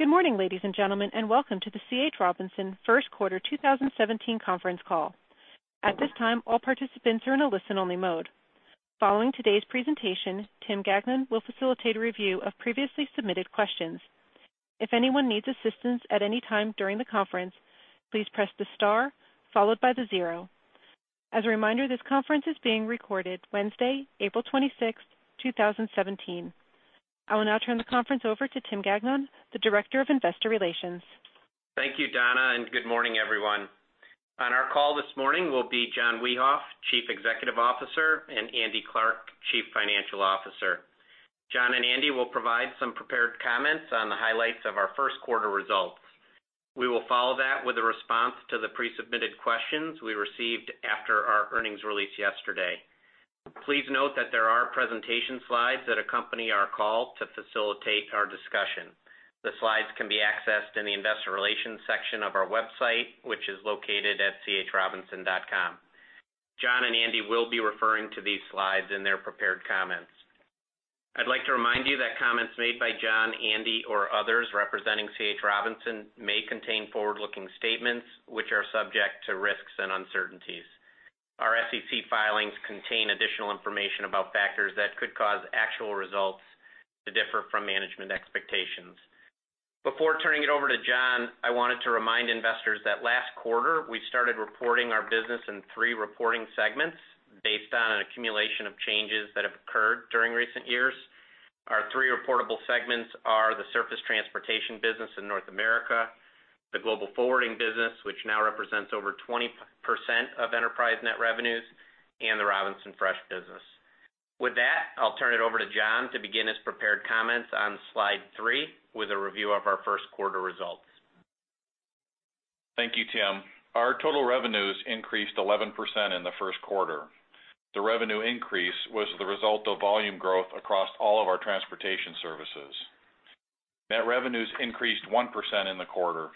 Good morning, ladies and gentlemen, and welcome to the C.H. Robinson first quarter 2017 conference call. At this time, all participants are in a listen-only mode. Following today's presentation, Tim Gagnon will facilitate a review of previously submitted questions. If anyone needs assistance at any time during the conference, please press the star followed by the zero. As a reminder, this conference is being recorded Wednesday, April 26, 2017. I will now turn the conference over to Tim Gagnon, the Director of Investor Relations. Thank you, Donna. Good morning, everyone. On our call this morning will be John Wiehoff, Chief Executive Officer, and Andy Clarke, Chief Financial Officer. John and Andy will provide some prepared comments on the highlights of our first quarter results. We will follow that with a response to the pre-submitted questions we received after our earnings release yesterday. Please note that there are presentation slides that accompany our call to facilitate our discussion. The slides can be accessed in the investor relations section of our website, which is located at chrobinson.com. John and Andy will be referring to these slides in their prepared comments. I'd like to remind you that comments made by John, Andy, or others representing C.H. Robinson may contain forward-looking statements which are subject to risks and uncertainties. Our SEC filings contain additional information about factors that could cause actual results to differ from management expectations. Before turning it over to John, I wanted to remind investors that last quarter, we started reporting our business in three reporting segments based on an accumulation of changes that have occurred during recent years. Our three reportable segments are the surface transportation business in North America, the Global Forwarding business, which now represents over 20% of enterprise net revenues, and the Robinson Fresh business. With that, I'll turn it over to John to begin his prepared comments on slide three with a review of our first quarter results. Thank you, Tim. Our total revenues increased 11% in the first quarter. The revenue increase was the result of volume growth across all of our transportation services. Net revenues increased 1% in the quarter.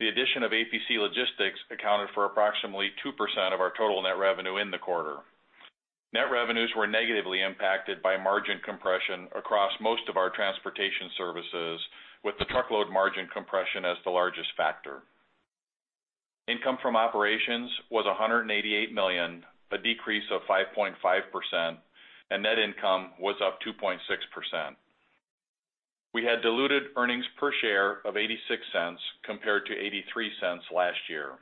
The addition of APC Logistics accounted for approximately 2% of our total net revenue in the quarter. Net revenues were negatively impacted by margin compression across most of our transportation services, with the truckload margin compression as the largest factor. Income from operations was $188 million, a decrease of 5.5%, and net income was up 2.6%. We had diluted earnings per share of $0.86 compared to $0.83 last year.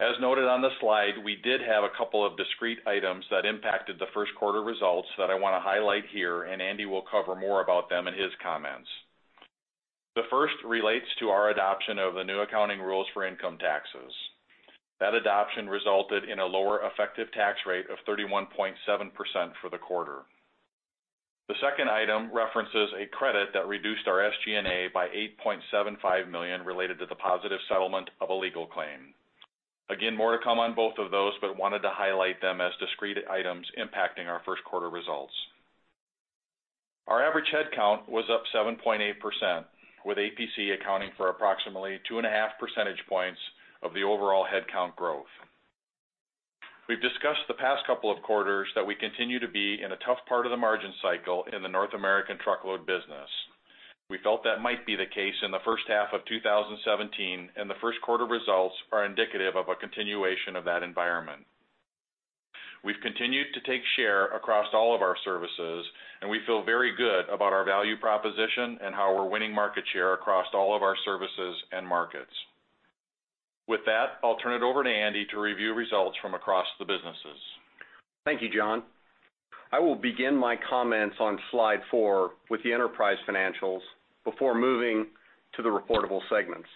As noted on the slide, we did have a couple of discrete items that impacted the first quarter results that I want to highlight here, and Andy Clarke will cover more about them in his comments. The first relates to our adoption of the new accounting rules for income taxes. That adoption resulted in a lower effective tax rate of 31.7% for the quarter. The second item references a credit that reduced our SG&A by $8.75 million related to the positive settlement of a legal claim. Again, more to come on both of those, but wanted to highlight them as discrete items impacting our first quarter results. Our average headcount was up 7.8%, with APC accounting for approximately two and a half percentage points of the overall headcount growth. We've discussed the past couple of quarters that we continue to be in a tough part of the margin cycle in the North American truckload business. We felt that might be the case in the first half of 2017, and the first quarter results are indicative of a continuation of that environment. We've continued to take share across all of our services, and we feel very good about our value proposition and how we're winning market share across all of our services and markets. With that, I'll turn it over to Andy to review results from across the businesses. Thank you, John. I will begin my comments on slide four with the enterprise financials before moving to the reportable segments.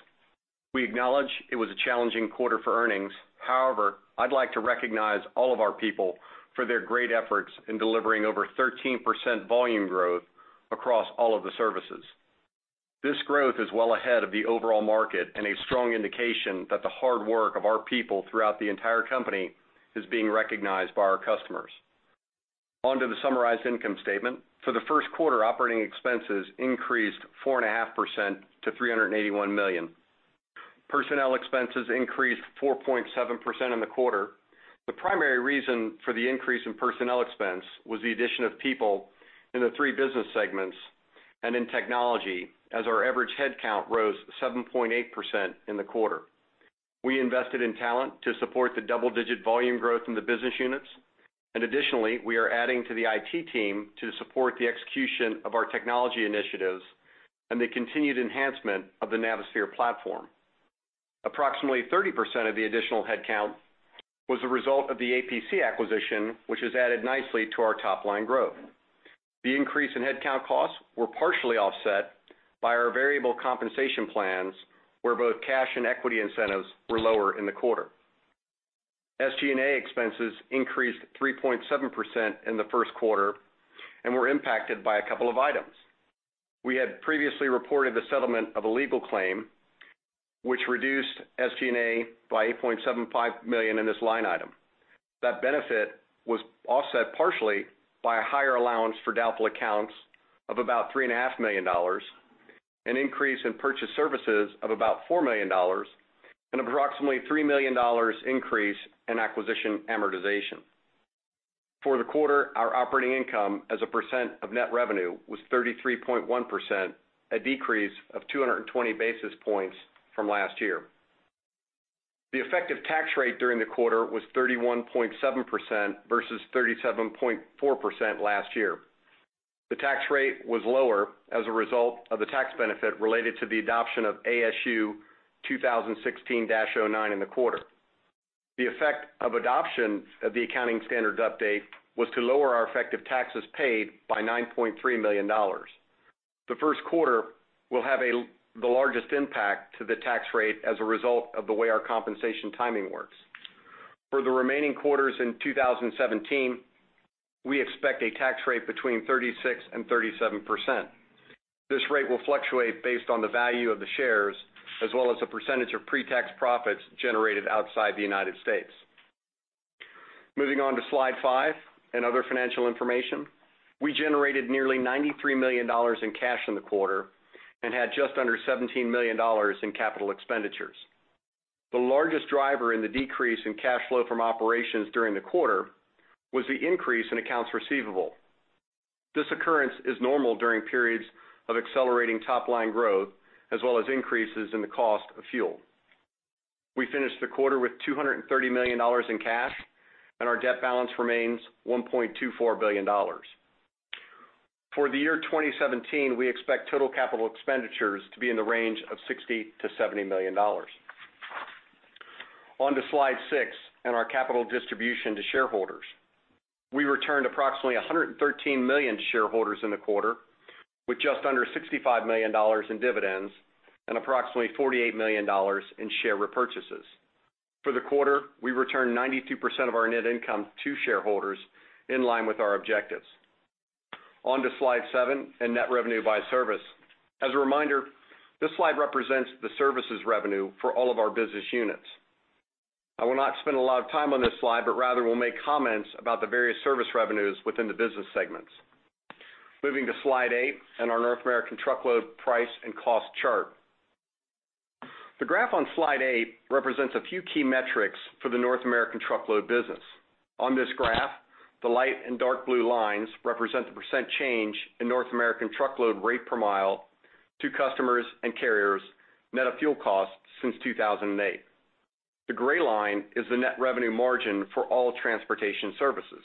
We acknowledge it was a challenging quarter for earnings. I'd like to recognize all of our people for their great efforts in delivering over 13% volume growth across all of the services. This growth is well ahead of the overall market and a strong indication that the hard work of our people throughout the entire company is being recognized by our customers. On to the summarized income statement. For the first quarter, operating expenses increased 4.5% to $381 million. Personnel expenses increased 4.7% in the quarter. The primary reason for the increase in personnel expense was the addition of people in the three business segments and in technology, as our average headcount rose 7.8% in the quarter. We invested in talent to support the double-digit volume growth in the business units. Additionally, we are adding to the IT team to support the execution of our technology initiatives and the continued enhancement of the Navisphere platform. Approximately 30% of the additional headcount was a result of the APC acquisition, which has added nicely to our top-line growth. The increase in headcount costs were partially offset by our variable compensation plans, where both cash and equity incentives were lower in the quarter. SG&A expenses increased 3.7% in the first quarter and were impacted by a couple of items. We had previously reported the settlement of a legal claim, which reduced SG&A by $8.75 million in this line item. That benefit was offset partially by a higher allowance for doubtful accounts of about $3.5 million, an increase in purchase services of about $4 million, and approximately $3 million increase in acquisition amortization. For the quarter, our operating income as a percent of net revenue was 33.1%, a decrease of 220 basis points from last year. The effective tax rate during the quarter was 31.7% versus 37.4% last year. The tax rate was lower as a result of the tax benefit related to the adoption of ASU 2016-09 in the quarter. The effect of adoption of the accounting standards update was to lower our effective taxes paid by $9.3 million. The first quarter will have the largest impact to the tax rate as a result of the way our compensation timing works. For the remaining quarters in 2017, we expect a tax rate between 36% and 37%. This rate will fluctuate based on the value of the shares, as well as the percentage of pre-tax profits generated outside the United States. Moving on to Slide 5 and other financial information. We generated nearly $93 million in cash in the quarter and had just under $17 million in capital expenditures. The largest driver in the decrease in cash flow from operations during the quarter was the increase in accounts receivable. This occurrence is normal during periods of accelerating top-line growth, as well as increases in the cost of fuel. We finished the quarter with $230 million in cash, and our debt balance remains $1.24 billion. For the year 2017, we expect total capital expenditures to be in the range of $60 million to $70 million. On to Slide 6 and our capital distribution to shareholders. We returned approximately $113 million to shareholders in the quarter, with just under $65 million in dividends and approximately $48 million in share repurchases. For the quarter, we returned 92% of our net income to shareholders, in line with our objectives. On to Slide 7 and net revenue by service. As a reminder, this slide represents the services revenue for all of our business units. I will not spend a lot of time on this slide, but rather will make comments about the various service revenues within the business segments. Moving to Slide 8 and our North American truckload price and cost chart. The graph on Slide 8 represents a few key metrics for the North American truckload business. On this graph, the light and dark blue lines represent the percent change in North American truckload rate per mile to customers and carriers, net of fuel costs since 2008. The gray line is the net revenue margin for all transportation services.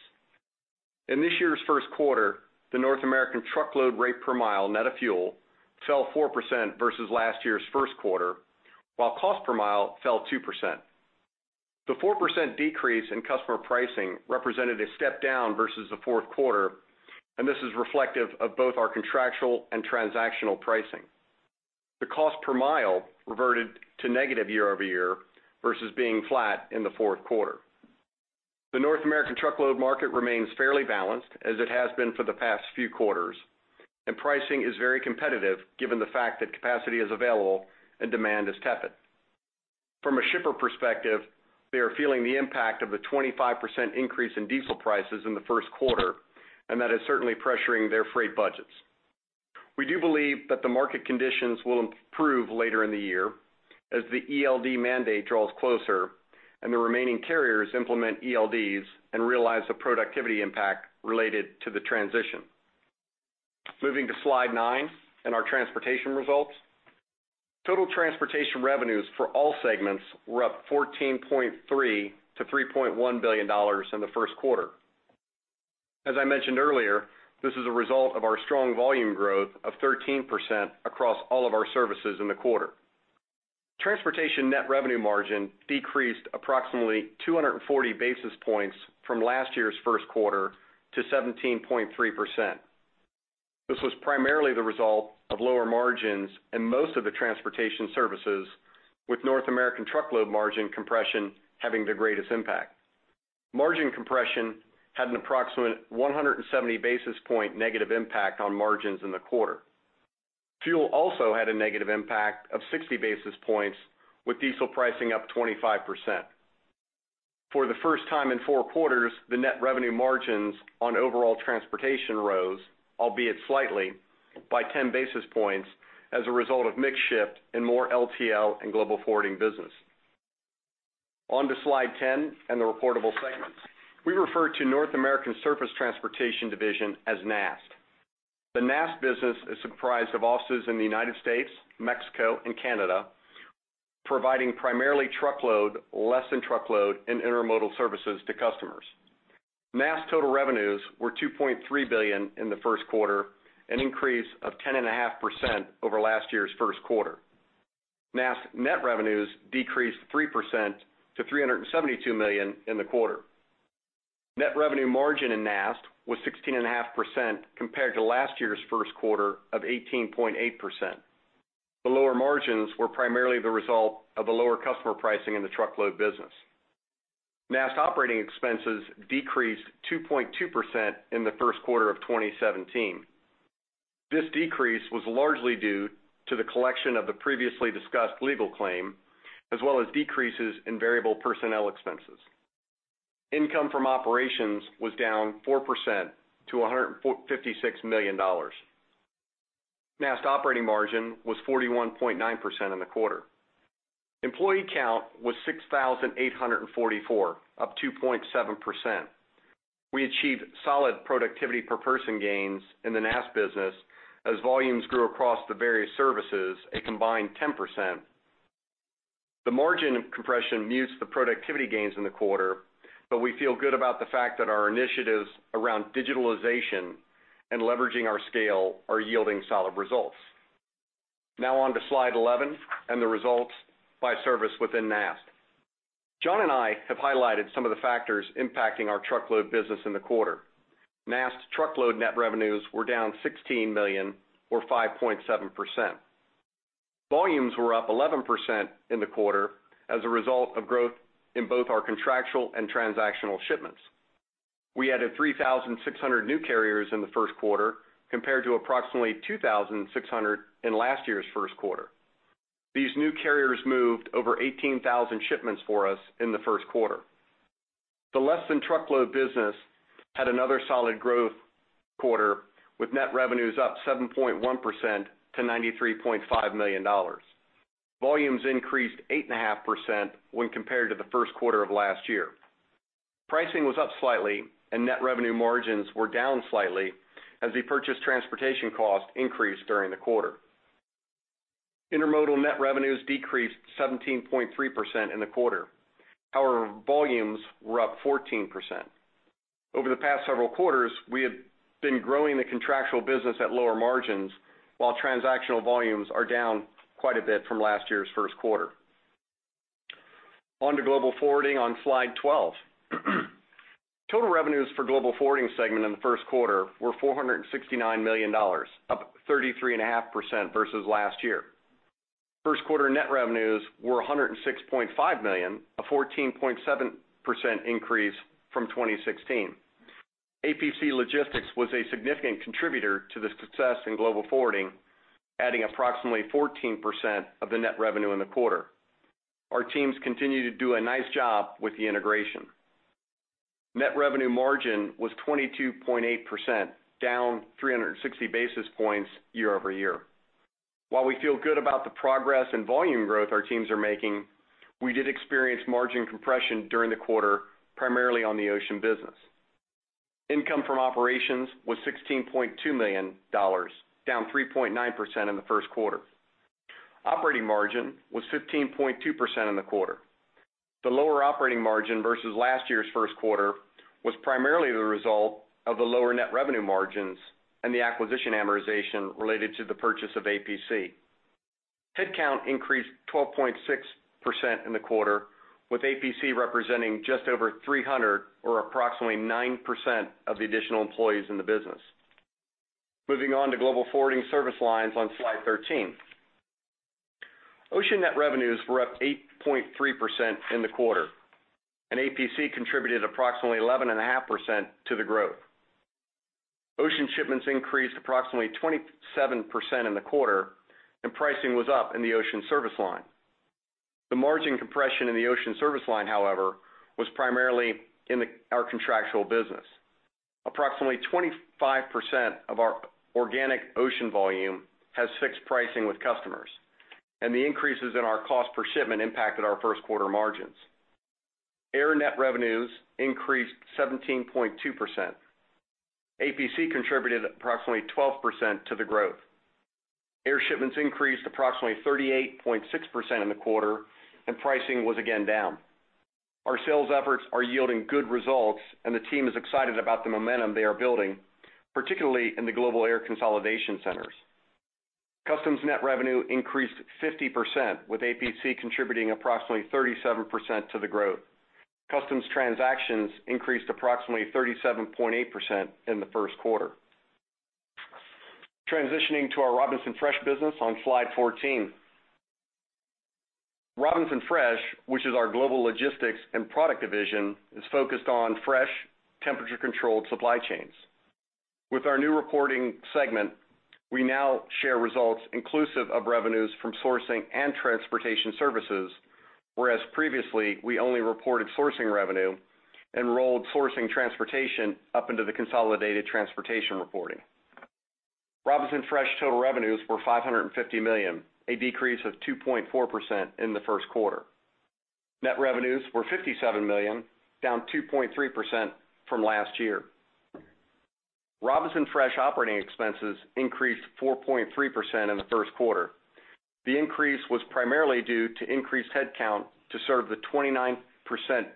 In this year's first quarter, the North American truckload rate per mile net of fuel fell 4% versus last year's first quarter, while cost per mile fell 2%. The 4% decrease in customer pricing represented a step down versus the fourth quarter, and this is reflective of both our contractual and transactional pricing. The cost per mile reverted to negative year-over-year versus being flat in the fourth quarter. The North American truckload market remains fairly balanced, as it has been for the past few quarters, and pricing is very competitive given the fact that capacity is available and demand is tepid. From a shipper perspective, they are feeling the impact of the 25% increase in diesel prices in the first quarter, and that is certainly pressuring their freight budgets. We do believe that the market conditions will improve later in the year as the ELD mandate draws closer and the remaining carriers implement ELDs and realize the productivity impact related to the transition. Moving to Slide 9 and our transportation results. Total transportation revenues for all segments were up 14.3% to $3.1 billion in the first quarter. As I mentioned earlier, this is a result of our strong volume growth of 13% across all of our services in the quarter. Transportation net revenue margin decreased approximately 240 basis points from last year's first quarter to 17.3%. This was primarily the result of lower margins in most of the transportation services, with North American truckload margin compression having the greatest impact. Margin compression had an approximate 170-basis-point negative impact on margins in the quarter. Fuel also had a negative impact of 60 basis points, with diesel pricing up 25%. For the first time in four quarters, the net revenue margins on overall transportation rose, albeit slightly, by 10 basis points as a result of mix shift in more LTL and Global Forwarding business. On to Slide 10 and the reportable segments. We refer to North American Surface Transportation division as NAST. The NAST business is comprised of offices in the United States, Mexico, and Canada, providing primarily truckload, Less Than Truckload, and Intermodal services to customers. NAST total revenues were $2.3 billion in the first quarter, an increase of 10.5% over last year's first quarter. NAST net revenues decreased 3% to $372 million in the quarter. Net revenue margin in NAST was 16.5% compared to last year's first quarter of 18.8%. The lower margins were primarily the result of the lower customer pricing in the truckload business. NAST operating expenses decreased 2.2% in the first quarter of 2017. This decrease was largely due to the collection of the previously discussed legal claim, as well as decreases in variable personnel expenses. Income from operations was down 4% to $156 million. NAST operating margin was 41.9% in the quarter. Employee count was 6,844, up 2.7%. We achieved solid productivity per person gains in the NAST business as volumes grew across the various services, a combined 10%. The margin compression mutes the productivity gains in the quarter, but we feel good about the fact that our initiatives around digitalization and leveraging our scale are yielding solid results. Now on to Slide 11 and the results by service within NAST. John and I have highlighted some of the factors impacting our truckload business in the quarter. NAST truckload net revenues were down $16 million, or 5.7%. Volumes were up 11% in the quarter as a result of growth in both our contractual and transactional shipments. We added 3,600 new carriers in the first quarter, compared to approximately 2,600 in last year's first quarter. These new carriers moved over 18,000 shipments for us in the first quarter. The Less Than Truckload business had another solid growth quarter, with net revenues up 7.1% to $93.5 million. Volumes increased 8.5% when compared to the first quarter of last year. Pricing was up slightly, and net revenue margins were down slightly as the purchase transportation cost increased during the quarter. Intermodal net revenues decreased 17.3% in the quarter. However, volumes were up 14%. Over the past several quarters, we have been growing the contractual business at lower margins, while transactional volumes are down quite a bit from last year's first quarter. On to Global Forwarding on Slide 12. Total revenues for Global Forwarding segment in the first quarter were $469 million, up 33.5% versus last year. First quarter net revenues were $106.5 million, a 14.7% increase from 2016. APC Logistics was a significant contributor to the success in Global Forwarding, adding approximately 14% of the net revenue in the quarter. Our teams continue to do a nice job with the integration. Net revenue margin was 22.8%, down 360 basis points year over year. While we feel good about the progress and volume growth our teams are making, we did experience margin compression during the quarter, primarily on the ocean business. Income from operations was $16.2 million, down 3.9% in the first quarter. Operating margin was 15.2% in the quarter. The lower operating margin versus last year's first quarter was primarily the result of the lower net revenue margins and the acquisition amortization related to the purchase of APC. Headcount increased 12.6% in the quarter, with APC representing just over 300, or approximately 9%, of the additional employees in the business. Moving on to Global Forwarding service lines on slide 13. Ocean net revenues were up 8.3% in the quarter, and APC contributed approximately 11.5% to the growth. Ocean shipments increased approximately 27% in the quarter, and pricing was up in the ocean service line. The margin compression in the ocean service line, however, was primarily in our contractual business. Approximately 25% of our organic ocean volume has fixed pricing with customers, and the increases in our cost per shipment impacted our first quarter margins. Air net revenues increased 17.2%. APC contributed approximately 12% to the growth. Air shipments increased approximately 38.6% in the quarter, and pricing was again down. Our sales efforts are yielding good results, and the team is excited about the momentum they are building, particularly in the global air consolidation centers. Customs net revenue increased 50%, with APC contributing approximately 37% to the growth. Customs transactions increased approximately 37.8% in the first quarter. Transitioning to our Robinson Fresh business on slide 14. Robinson Fresh, which is our global logistics and product division, is focused on fresh, temperature-controlled supply chains. With our new reporting segment, we now share results inclusive of revenues from sourcing and transportation services, whereas previously, we only reported sourcing revenue and rolled sourcing transportation up into the consolidated transportation reporting. Robinson Fresh total revenues were $550 million, a decrease of 2.4% in the first quarter. Net revenues were $57 million, down 2.3% from last year. Robinson Fresh operating expenses increased 4.3% in the first quarter. The increase was primarily due to increased headcount to serve the 29%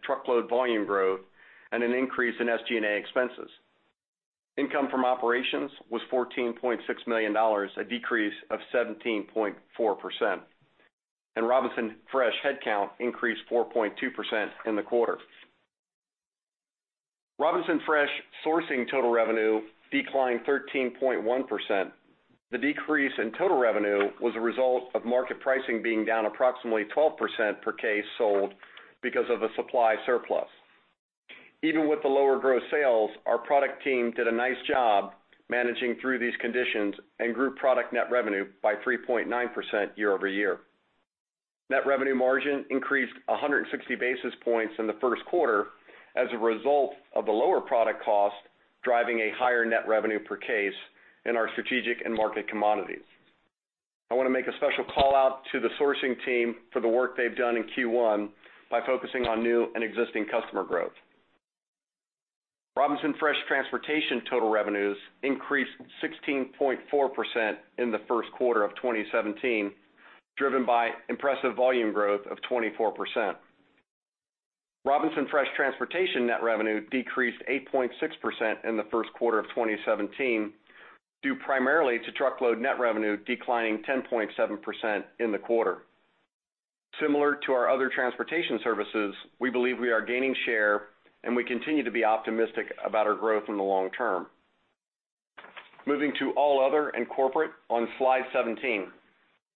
truckload volume growth and an increase in SG&A expenses. Income from operations was $14.6 million, a decrease of 17.4%. Robinson Fresh headcount increased 4.2% in the quarter. Robinson Fresh sourcing total revenue declined 13.1%. The decrease in total revenue was a result of market pricing being down approximately 12% per case sold because of a supply surplus. Even with the lower gross sales, our product team did a nice job managing through these conditions and grew product net revenue by 3.9% year over year. Net revenue margin increased 160 basis points in the first quarter as a result of the lower product cost, driving a higher net revenue per case in our strategic and market commodities. I want to make a special call-out to the sourcing team for the work they've done in Q1 by focusing on new and existing customer growth. Robinson Fresh Transportation total revenues increased 16.4% in the first quarter of 2017, driven by impressive volume growth of 24%. Robinson Fresh Transportation net revenue decreased 8.6% in the first quarter of 2017, due primarily to truckload net revenue declining 10.7% in the quarter. Similar to our other transportation services, we believe we are gaining share, and we continue to be optimistic about our growth in the long term. Moving to all other and corporate on slide 17.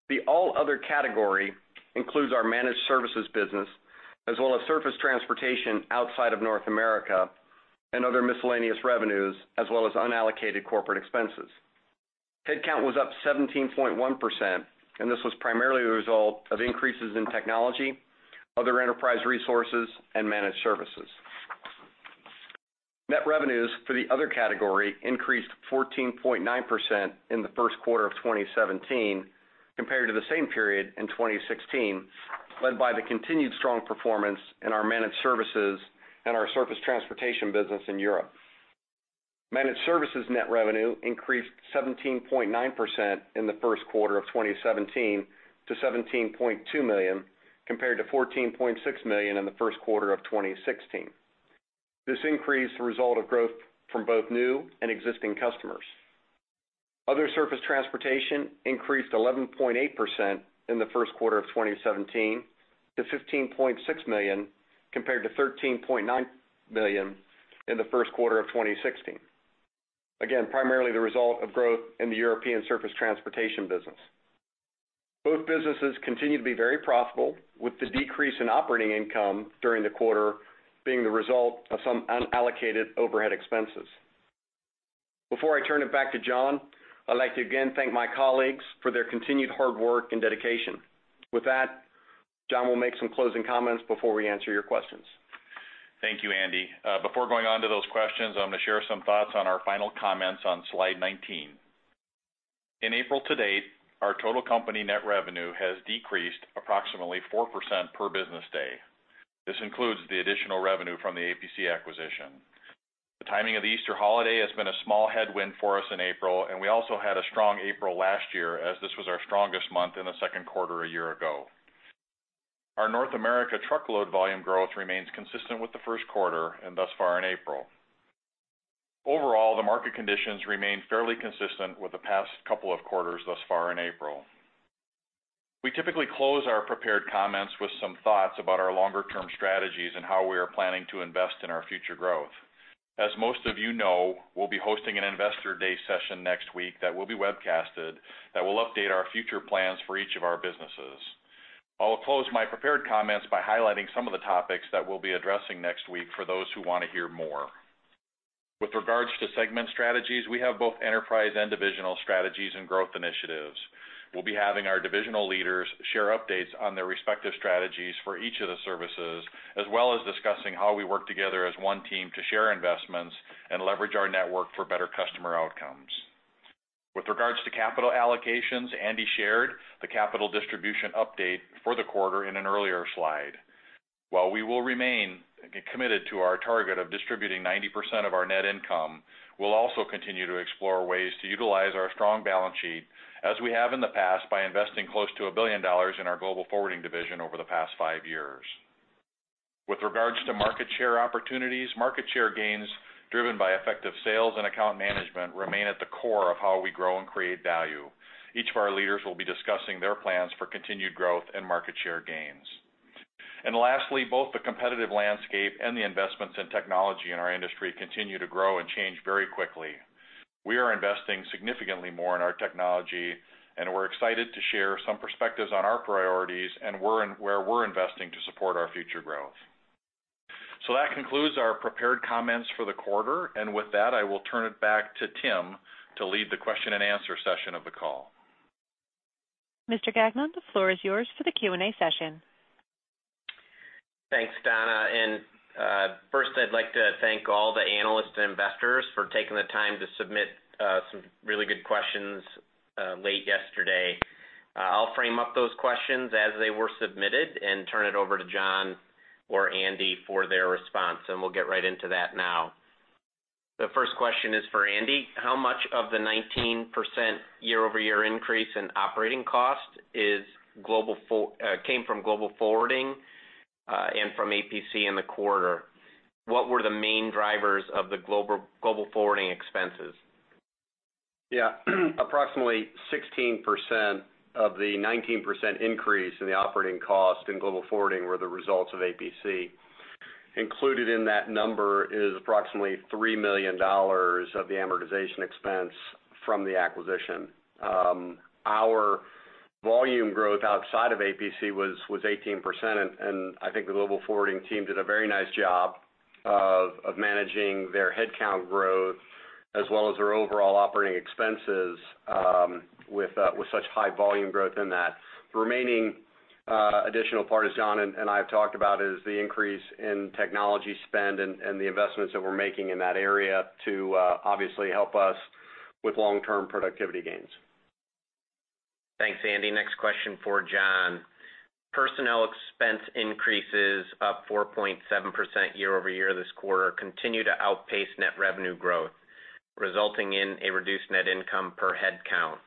The all other category includes our Managed Services business, as well as surface transportation outside of North America and other miscellaneous revenues, as well as unallocated corporate expenses. Headcount was up 17.1%. This was primarily a result of increases in technology, other enterprise resources, and Managed Services. Net revenues for the other category increased 14.9% in the first quarter of 2017 compared to the same period in 2016, led by the continued strong performance in our Managed Services and our surface transportation business in Europe. Managed Services net revenue increased 17.9% in the first quarter of 2017 to $17.2 million, compared to $14.6 million in the first quarter of 2016. This increase is the result of growth from both new and existing customers. Other surface transportation increased 11.8% in the first quarter of 2017 to $15.6 million, compared to $13.9 million in the first quarter of 2016. Primarily the result of growth in the European surface transportation business. Both businesses continue to be very profitable, with the decrease in operating income during the quarter being the result of some unallocated overhead expenses. Before I turn it back to John, I'd like to again thank my colleagues for their continued hard work and dedication. With that, John will make some closing comments before we answer your questions. Thank you, Andy. Before going on to those questions, I'm going to share some thoughts on our final comments on slide 19. In April to date, our total company net revenue has decreased approximately 4% per business day. This includes the additional revenue from the APC acquisition. The timing of the Easter holiday has been a small headwind for us in April, and we also had a strong April last year, as this was our strongest month in the second quarter a year ago. Our North America truckload volume growth remains consistent with the first quarter and thus far in April. Overall, the market conditions remain fairly consistent with the past couple of quarters thus far in April. We typically close our prepared comments with some thoughts about our longer-term strategies and how we are planning to invest in our future growth. As most of you know, we'll be hosting an investor day session next week that will be webcasted that will update our future plans for each of our businesses. I will close my prepared comments by highlighting some of the topics that we'll be addressing next week for those who want to hear more. With regards to segment strategies, we have both enterprise and divisional strategies and growth initiatives. We'll be having our divisional leaders share updates on their respective strategies for each of the services, as well as discussing how we work together as one team to share investments and leverage our network for better customer outcomes. With regards to capital allocations, Andy shared the capital distribution update for the quarter in an earlier slide. While we will remain committed to our target of distributing 90% of our net income, we'll also continue to explore ways to utilize our strong balance sheet, as we have in the past by investing close to $1 billion in our Global Forwarding division over the past five years. With regards to market share opportunities, market share gains driven by effective sales and account management remain at the core of how we grow and create value. Each of our leaders will be discussing their plans for continued growth and market share gains. Lastly, both the competitive landscape and the investments in technology in our industry continue to grow and change very quickly. We are investing significantly more in our technology, and we're excited to share some perspectives on our priorities and where we're investing to support our future growth. That concludes our prepared comments for the quarter. With that, I will turn it back to Tim to lead the question and answer session of the call. Mr. Gagnon, the floor is yours for the Q&A session. Thanks, Donna. First, I'd like to thank all the analysts and investors for taking the time to submit some really good questions late yesterday. I'll frame up those questions as they were submitted and turn it over to John or Andy for their response, and we'll get right into that now. The first question is for Andy. How much of the 19% year-over-year increase in operating cost came from Global Forwarding and from APC in the quarter? What were the main drivers of the Global Forwarding expenses? Approximately 16% of the 19% increase in the operating cost in Global Forwarding were the results of APC. Included in that number is approximately $3 million of the amortization expense from the acquisition. Our volume growth outside of APC was 18%. I think the Global Forwarding team did a very nice job of managing their headcount growth as well as our overall operating expenses with such high volume growth in that. The remaining additional part is, John and I have talked about, is the increase in technology spend and the investments that we're making in that area to obviously help us with long-term productivity gains. Thanks, Andy. Next question for John. Personnel expense increases up 4.7% year-over-year this quarter continue to outpace net revenue growth, resulting in a reduced net income per head count.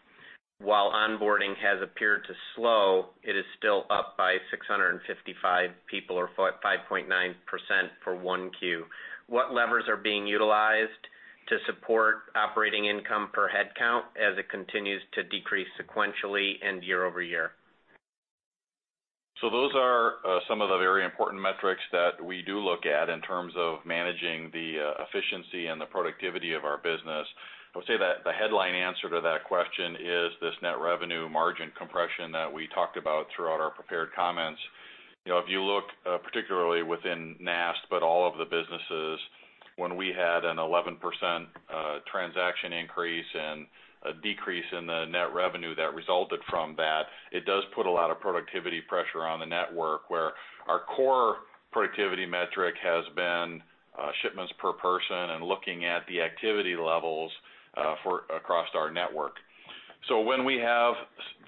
While onboarding has appeared to slow, it is still up by 655 people or 5.9% for one Q. What levers are being utilized to support operating income per head count as it continues to decrease sequentially and year-over-year? Those are some of the very important metrics that we do look at in terms of managing the efficiency and the productivity of our business. I would say that the headline answer to that question is this net revenue margin compression that we talked about throughout our prepared comments. If you look particularly within NAST, but all of the businesses, when we had an 11% transaction increase and a decrease in the net revenue that resulted from that, it does put a lot of productivity pressure on the network, where our core productivity metric has been shipments per person and looking at the activity levels across our network. When we have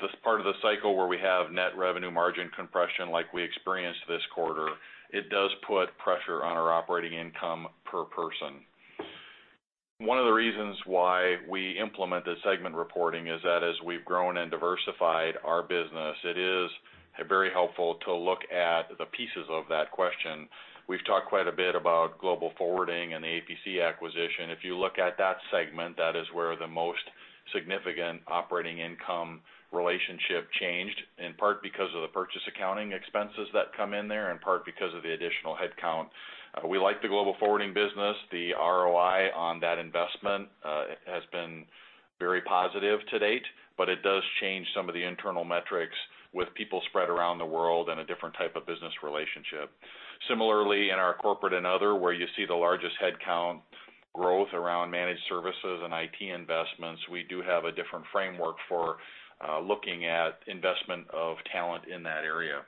this part of the cycle where we have net revenue margin compression like we experienced this quarter, it does put pressure on our operating income per person. One of the reasons why we implement the segment reporting is that as we've grown and diversified our business, it is very helpful to look at the pieces of that question. We've talked quite a bit about Global Forwarding and the APC acquisition. If you look at that segment, that is where the most significant operating income relationship changed, in part because of the purchase accounting expenses that come in there, and part because of the additional head count. We like the Global Forwarding business. The ROI on that investment has been very positive to date, but it does change some of the internal metrics with people spread around the world and a different type of business relationship. Similarly, in our corporate and other, where you see the largest head count growth around Managed Services and IT investments, we do have a different framework for looking at investment of talent in that area.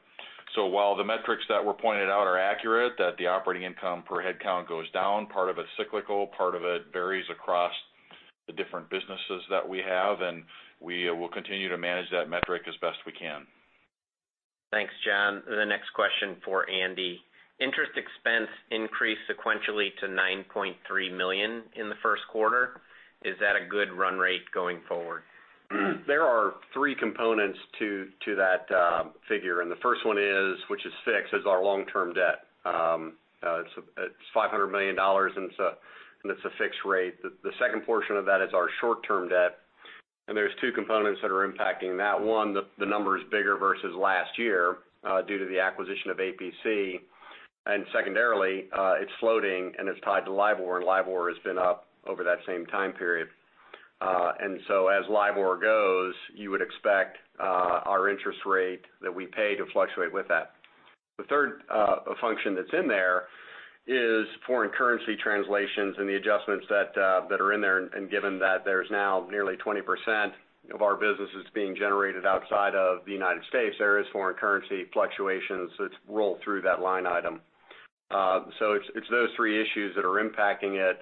While the metrics that were pointed out are accurate, that the operating income per head count goes down, part of it's cyclical, part of it varies across the different businesses that we have, and we will continue to manage that metric as best we can. Thanks, John. The next question for Andy. Interest expense increased sequentially to $9.3 million in the first quarter. Is that a good run rate going forward? There are three components to that figure, the first one is, which is fixed, is our long-term debt. It's $500 million, and it's a fixed rate. The second portion of that is our short-term debt, there's two components that are impacting that. One, the number is bigger versus last year due to the acquisition of APC. Secondarily, it's floating and it's tied to LIBOR has been up over that same time period. As LIBOR goes, you would expect our interest rate that we pay to fluctuate with that. The third function that's in there is foreign currency translations and the adjustments that are in there. Given that there's now nearly 20% of our business is being generated outside of the U.S., there is foreign currency fluctuations that roll through that line item. It's those three issues that are impacting it.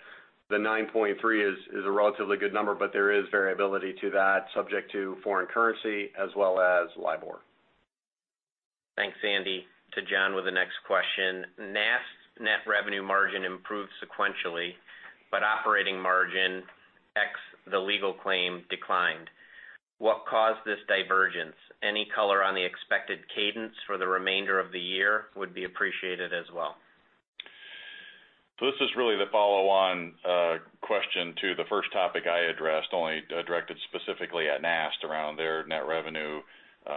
The 9.3 is a relatively good number, there is variability to that, subject to foreign currency as well as LIBOR. Thanks, Andy. To John with the next question. NAST net revenue margin improved sequentially, operating margin, ex the legal claim, declined. What caused this divergence? Any color on the expected cadence for the remainder of the year would be appreciated as well. This is really the follow-on question to the first topic I addressed, only directed specifically at NAST around their net revenue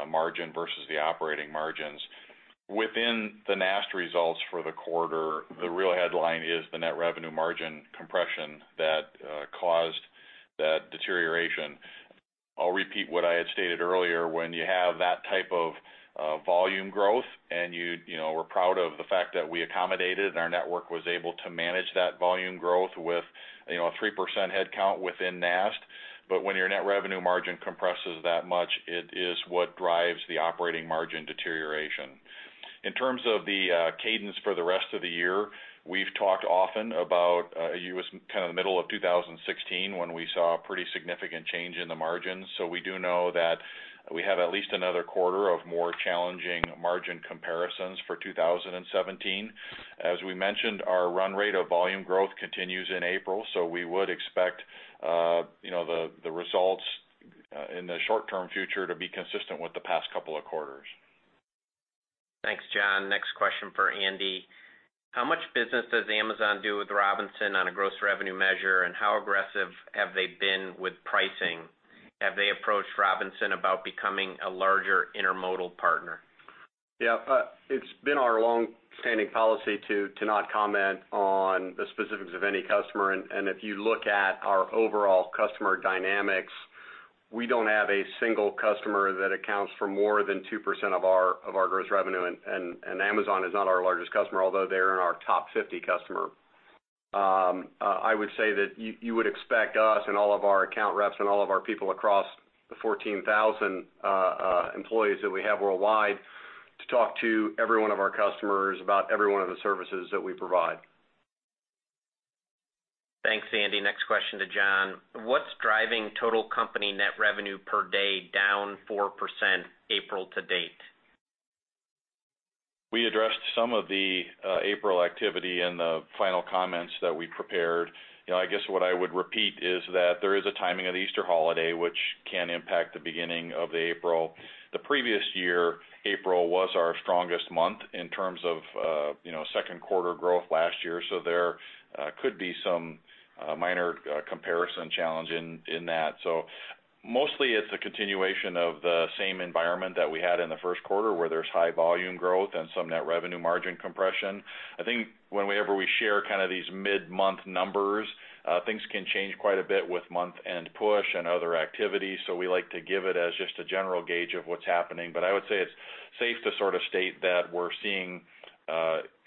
margin versus the operating margins. Within the NAST results for the quarter, the real headline is the net revenue margin compression that caused that deterioration. I'll repeat what I had stated earlier. When you have that type of volume growth, we're proud of the fact that we accommodated, and our network was able to manage that volume growth with a 3% head count within NAST. When your net revenue margin compresses that much, it is what drives the operating margin deterioration. In terms of the cadence for the rest of the year, we've talked often about U.S., kind of the middle of 2016, when we saw a pretty significant change in the margins. We do know that we have at least another quarter of more challenging margin comparisons for 2017. As we mentioned, our run rate of volume growth continues in April, we would expect the results in the short-term future to be consistent with the past couple of quarters. Thanks, John. Next question for Andy. How much business does Amazon do with Robinson on a gross revenue measure, and how aggressive have they been with pricing? Have they approached Robinson about becoming a larger intermodal partner? Yeah. It's been our longstanding policy to not comment on the specifics of any customer. If you look at our overall customer dynamics, we don't have a single customer that accounts for more than 2% of our gross revenue, and Amazon is not our largest customer, although they are in our top 50 customer. I would say that you would expect us and all of our account reps and all of our people across the 14,000 employees that we have worldwide to talk to every one of our customers about every one of the services that we provide. Thanks, Andy. Next question to John. What's driving total company net revenue per day down 4% April to date? We addressed some of the April activity in the final comments that we prepared. I guess what I would repeat is that there is a timing of the Easter holiday, which can impact the beginning of April. The previous year, April was our strongest month in terms of second quarter growth last year. There could be some minor comparison challenge in that. Mostly it's a continuation of the same environment that we had in the first quarter, where there's high volume growth and some net revenue margin compression. I think whenever we share these mid-month numbers, things can change quite a bit with month-end push and other activities. We like to give it as just a general gauge of what's happening. I would say it's safe to state that we're seeing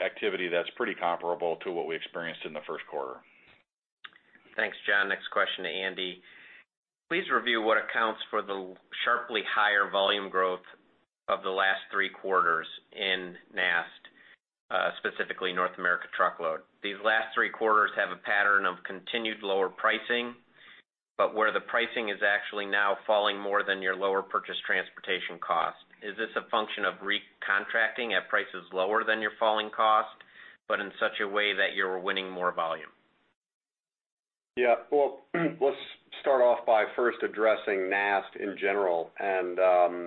activity that's pretty comparable to what we experienced in the first quarter. Thanks, John. Next question to Andy. Please review what accounts for the sharply higher volume growth of the last three quarters in NAST, specifically North America truckload. These last three quarters have a pattern of continued lower pricing, but where the pricing is actually now falling more than your lower purchase transportation cost. Is this a function of recontracting at prices lower than your falling cost, but in such a way that you're winning more volume? Well, let's start off by first addressing NAST in general. As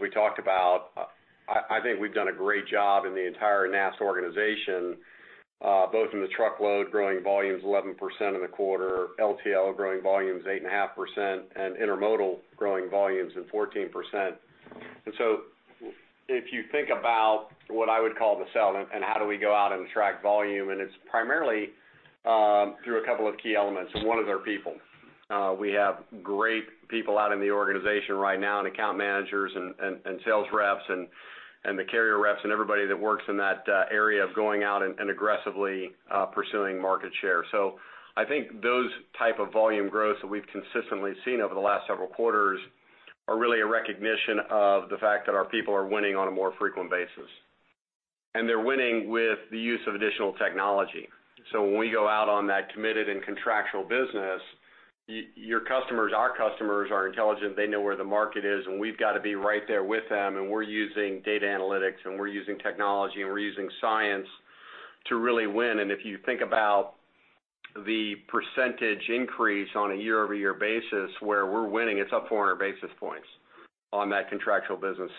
we talked about, I think we've done a great job in the entire NAST organization, both in the truckload, growing volumes 11% in the quarter, LTL growing volumes 8.5%, and intermodal growing volumes in 14%. If you think about what I would call the sell and how do we go out and attract volume, it's primarily through a couple of key elements, one is our people. We have great people out in the organization right now, account managers and sales reps and the carrier reps and everybody that works in that area of going out and aggressively pursuing market share. I think those type of volume growth that we've consistently seen over the last several quarters are really a recognition of the fact that our people are winning on a more frequent basis. They're winning with the use of additional technology. When we go out on that committed and contractual business, your customers, our customers are intelligent. They know where the market is, we've got to be right there with them. We're using data analytics, we're using technology, we're using science to really win. If you think about the percentage increase on a year-over-year basis where we're winning, it's up 400 basis points on that contractual business.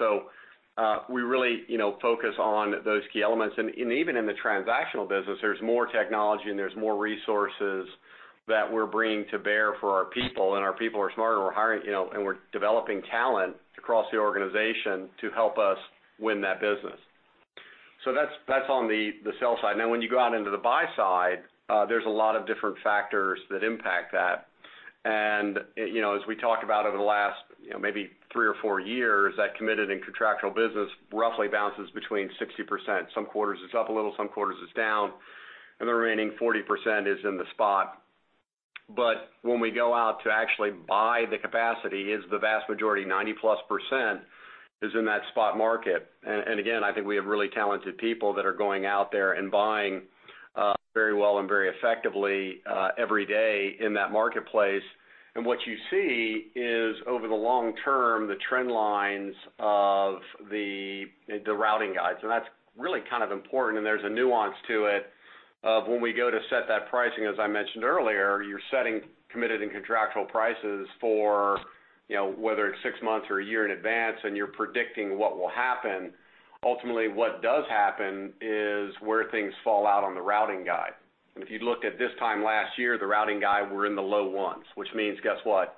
We really focus on those key elements. Even in the transactional business, there's more technology and there's more resources that we're bringing to bear for our people, our people are smarter. We're hiring, we're developing talent across the organization to help us win that business. That's on the sell side. Now, when you go out into the buy side, there's a lot of different factors that impact that. As we talked about over the last maybe three or four years, that committed and contractual business roughly balances between 60%. Some quarters it's up a little, some quarters it's down, the remaining 40% is in the spot. When we go out to actually buy the capacity is the vast majority, 90%-plus is in that spot market. Again, I think we have really talented people that are going out there and buying very well and very effectively every day in that marketplace. What you see is over the long term, the trend lines of the routing guides. That's really kind of important. There's a nuance to it of when we go to set that pricing, as I mentioned earlier, you're setting committed and contractual prices for whether it's six months or one year in advance, and you're predicting what will happen. Ultimately, what does happen is where things fall out on the routing guide. If you looked at this time last year, the routing guide, we're in the low ones, which means, guess what?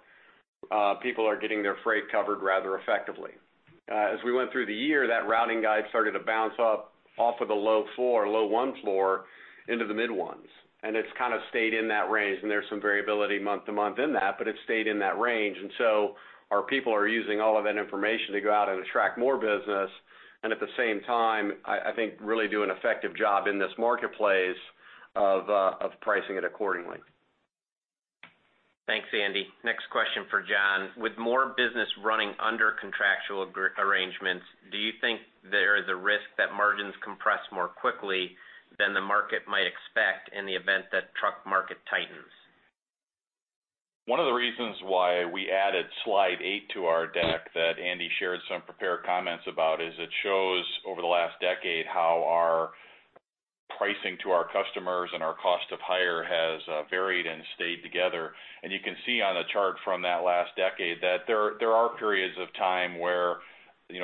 People are getting their freight covered rather effectively. As we went through the year, that routing guide started to bounce up off of the low floor, low one floor into the mid ones, and it's kind of stayed in that range, and there's some variability month to month in that, but it stayed in that range. Our people are using all of that information to go out and attract more business. At the same time, I think really do an effective job in this marketplace of pricing it accordingly. Thanks, Andy. Next question for John. With more business running under contractual arrangements, do you think there is a risk that margins compress more quickly than the market might expect in the event that truck market tightens? One of the reasons why we added slide eight to our deck that Andy shared some prepared comments about is it shows over the last decade how our pricing to our customers and our cost of hire has varied and stayed together. You can see on the chart from that last decade that there are periods of time where the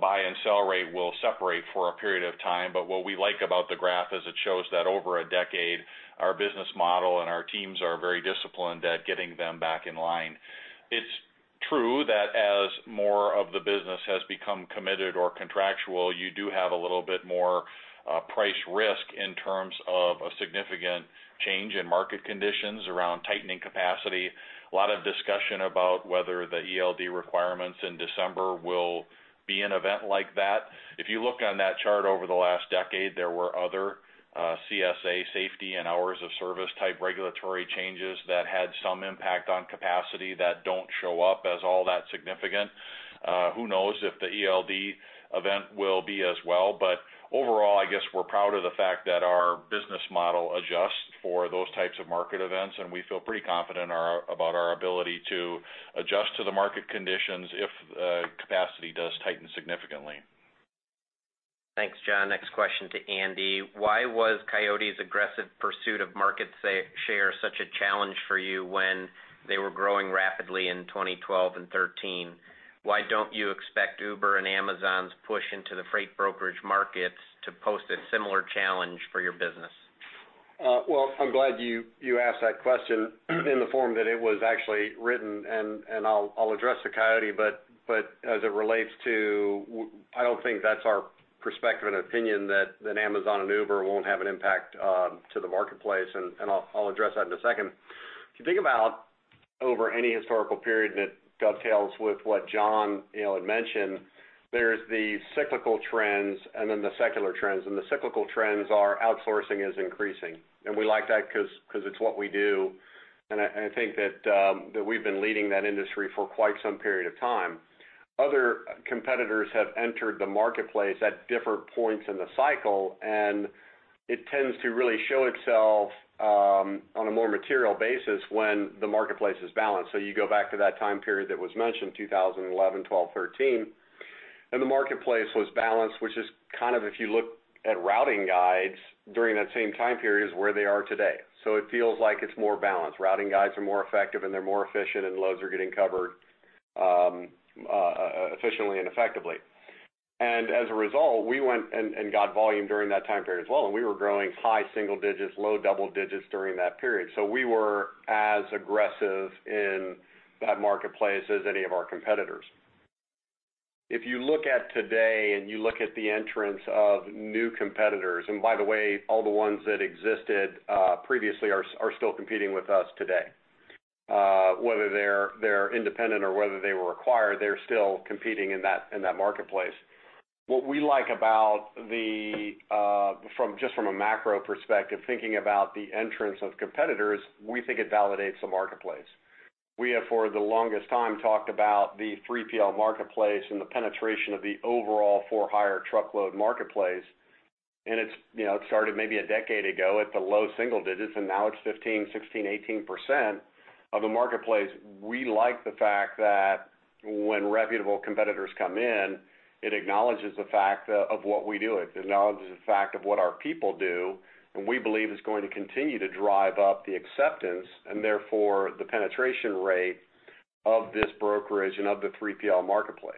buy and sell rate will separate for a period of time. What we like about the graph is it shows that over a decade, our business model and our teams are very disciplined at getting them back in line. It's true that as more of the business has become committed or contractual, you do have a little bit more price risk in terms of a significant change in market conditions around tightening capacity. A lot of discussion about whether the ELD requirements in December will be an event like that. If you look on that chart over the last decade, there were other CSA safety and hours of service type regulatory changes that had some impact on capacity that don't show up as all that significant. Who knows if the ELD event will be as well. Overall, I guess we're proud of the fact that our business model adjusts for those types of market events, and we feel pretty confident about our ability to adjust to the market conditions if capacity does tighten significantly. Thanks, John. Next question to Andy. Why was Coyote's aggressive pursuit of market share such a challenge for you when they were growing rapidly in 2012 and 2013? Why don't you expect Uber and Amazon's push into the freight brokerage markets to post a similar challenge for your business? Well, I'm glad you asked that question in the form that it was actually written. I'll address the Coyote, but as it relates to, I don't think that's our perspective and opinion that Amazon and Uber won't have an impact to the marketplace. I'll address that in a second. If you think about over any historical period that dovetails with what John had mentioned, there's the cyclical trends and then the secular trends. The cyclical trends are outsourcing is increasing, we like that because it's what we do, I think that we've been leading that industry for quite some period of time. Other competitors have entered the marketplace at different points in the cycle, it tends to really show itself on a more material basis when the marketplace is balanced. You go back to that time period that was mentioned, 2011, 2012, 2013, the marketplace was balanced, which is if you look at routing guides during that same time period, is where they are today. It feels like it's more balanced. Routing guides are more effective, they're more efficient, loads are getting covered efficiently and effectively. As a result, we went and got volume during that time period as well, we were growing high single digits, low double digits during that period. We were as aggressive in that marketplace as any of our competitors. If you look at today, you look at the entrance of new competitors, by the way, all the ones that existed previously are still competing with us today. Whether they're independent or whether they were acquired, they're still competing in that marketplace. What we like about, just from a macro perspective, thinking about the entrance of competitors, we think it validates the marketplace. We have, for the longest time, talked about the 3PL marketplace and the penetration of the overall for-hire truckload marketplace. Now it's started maybe a decade ago at the low single digits, and now it's 15, 16, 18% of the marketplace. We like the fact that when reputable competitors come in, it acknowledges the fact of what we do. It acknowledges the fact of what our people do, and we believe it's going to continue to drive up the acceptance, and therefore the penetration rate of this brokerage and of the 3PL marketplace.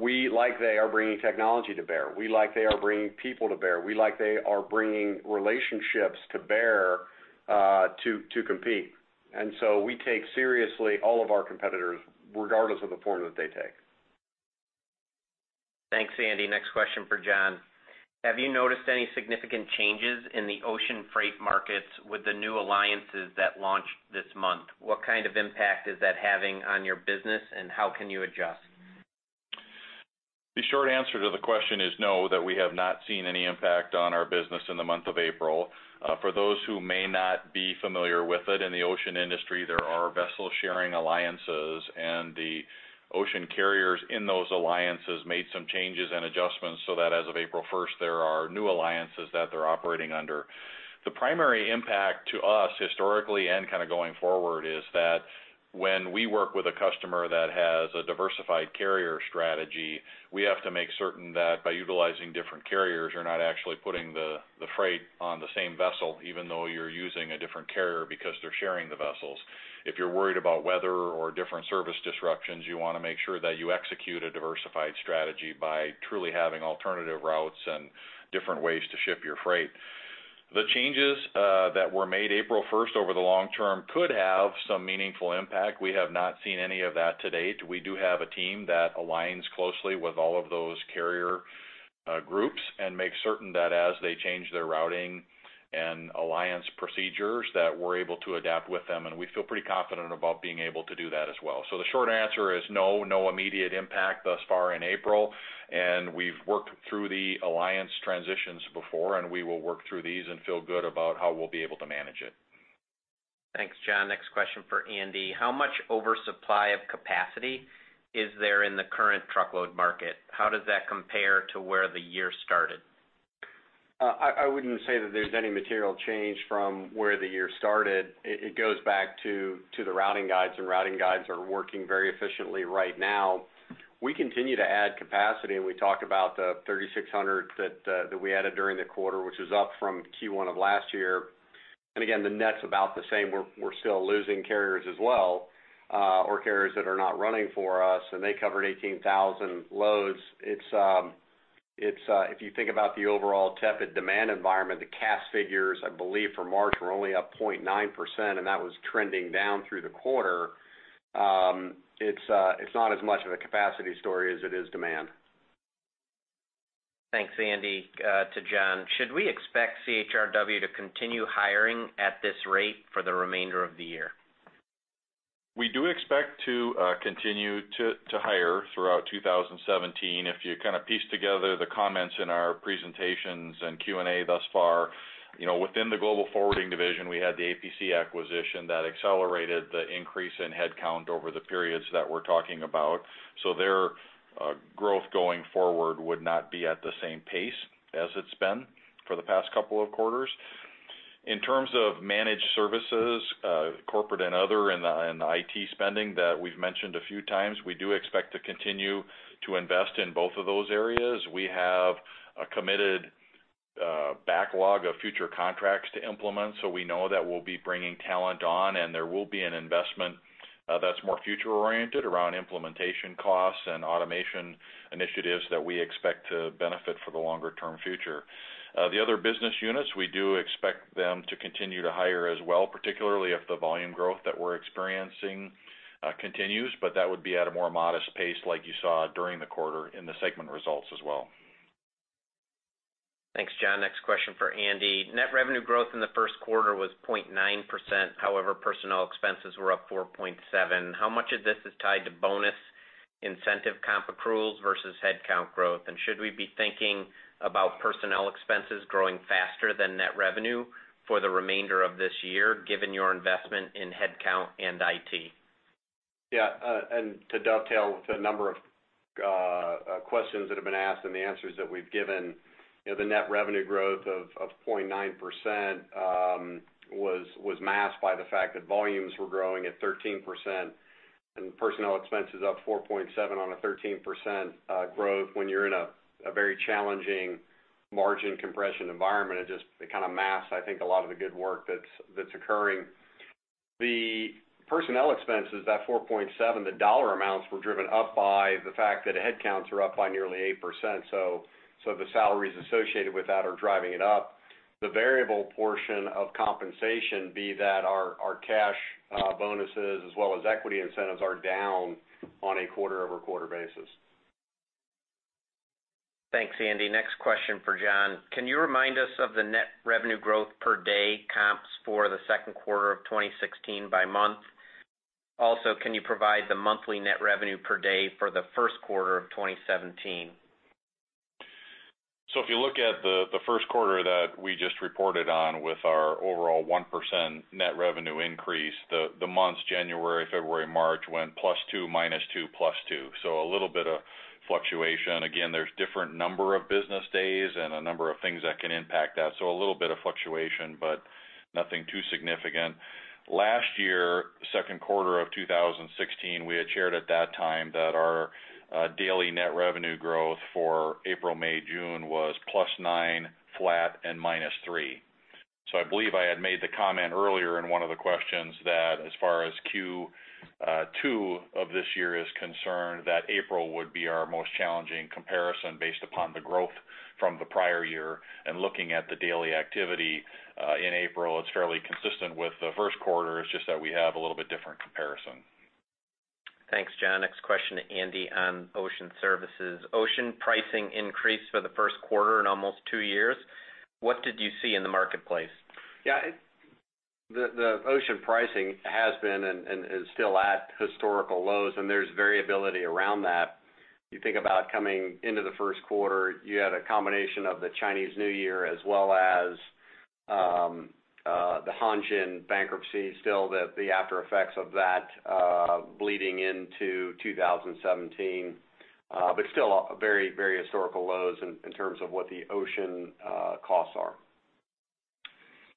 We like they are bringing technology to bear. We like they are bringing people to bear. We like they are bringing relationships to bear to compete. We take seriously all of our competitors, regardless of the form that they take. Thanks, Andy. Next question for John. Have you noticed any significant changes in the ocean freight markets with the new alliances that launched this month? What kind of impact is that having on your business, and how can you adjust? The short answer to the question is no, that we have not seen any impact on our business in the month of April. For those who may not be familiar with it, in the ocean industry, there are vessel-sharing alliances. The ocean carriers in those alliances made some changes and adjustments so that as of April 1st, there are new alliances that they're operating under. The primary impact to us historically and going forward is that when we work with a customer that has a diversified carrier strategy, we have to make certain that by utilizing different carriers, you're not actually putting the freight on the same vessel, even though you're using a different carrier because they're sharing the vessels. If you're worried about weather or different service disruptions, you want to make sure that you execute a diversified strategy by truly having alternative routes and different ways to ship your freight. The changes that were made April 1st over the long term could have some meaningful impact. We have not seen any of that to date. We do have a team that aligns closely with all of those carrier groups and makes certain that as they change their routing and alliance procedures, that we're able to adapt with them, and we feel pretty confident about being able to do that as well. The short answer is no immediate impact thus far in April, and we've worked through the alliance transitions before, and we will work through these and feel good about how we'll be able to manage it. Thanks, John. Next question for Andy. How much oversupply of capacity is there in the current truckload market? How does that compare to where the year started? I wouldn't say that there's any material change from where the year started. It goes back to the routing guides, routing guides are working very efficiently right now. We continue to add capacity, and we talked about the 3,600 that we added during the quarter, which is up from Q1 of last year. Again, the net's about the same. We're still losing carriers as well, or carriers that are not running for us, and they covered 18,000 loads. If you think about the overall tepid demand environment, the Cass figures, I believe for March were only up 0.9%, and that was trending down through the quarter. It's not as much of a capacity story as it is demand. Thanks, Andy. To John, should we expect CHRW to continue hiring at this rate for the remainder of the year? We do expect to continue to hire throughout 2017. If you piece together the comments in our presentations and Q&A thus far, within the Global Forwarding division, we had the APC acquisition that accelerated the increase in headcount over the periods that we're talking about. Their growth going forward would not be at the same pace as it's been for the past couple of quarters. In terms of Managed Services, corporate and other, and the IT spending that we've mentioned a few times, we do expect to continue to invest in both of those areas. We have a committed backlog of future contracts to implement, we know that we'll be bringing talent on, and there will be an investment that's more future oriented around implementation costs and automation initiatives that we expect to benefit for the longer-term future. The other business units, we do expect them to continue to hire as well, particularly if the volume growth that we're experiencing continues. That would be at a more modest pace like you saw during the quarter in the segment results as well. Thanks, John. Next question for Andy. Net revenue growth in the first quarter was 0.9%. However, personnel expenses were up 4.7%. How much of this is tied to bonus incentive comp accruals versus headcount growth? Should we be thinking about personnel expenses growing faster than net revenue for the remainder of this year, given your investment in headcount and IT? Yeah. To dovetail to a number of questions that have been asked and the answers that we've given, the net revenue growth of 0.9% was masked by the fact that volumes were growing at 13%, and personnel expenses up 4.7% on a 13% growth when you're in a very challenging margin compression environment. It just kind of masks, I think, a lot of the good work that's occurring. The personnel expenses, that 4.7%, the dollar amounts were driven up by the fact that headcounts are up by nearly 8%, the salaries associated with that are driving it up. The variable portion of compensation be that our cash bonuses as well as equity incentives are down on a quarter-over-quarter basis. Thanks, Andy. Next question for John. Can you remind us of the net revenue growth per day comps for the second quarter of 2016 by month? Also, can you provide the monthly net revenue per day for the first quarter of 2017? If you look at the first quarter that we just reported on with our overall 1% net revenue increase, the months January, February, March went +2%, -2%, +2%. A little bit of fluctuation. Again, there's different number of business days and a number of things that can impact that. A little bit of fluctuation, but nothing too significant. Last year, second quarter of 2016, we had shared at that time that our daily net revenue growth for April, May, June was +9%, flat, and -3%. I believe I had made the comment earlier in one of the questions that as far as Q2 of this year is concerned, that April would be our most challenging comparison based upon the growth from the prior year. Looking at the daily activity in April, it's fairly consistent with the first quarter. It's just that we have a little bit different comparison. Thanks, John. Next question to Andy on Ocean Services. Ocean pricing increased for the first quarter in almost two years. What did you see in the marketplace? The ocean pricing has been and is still at historical lows. There's variability around that. You think about coming into the first quarter, you had a combination of the Chinese New Year as well as the Hanjin bankruptcy, still the after effects of that bleeding into 2017. Still very historical lows in terms of what the ocean costs are.